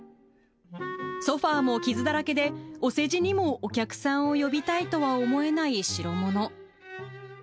ソファも傷だらけで、お世辞にもお客さんを呼びたいとは思えない代物。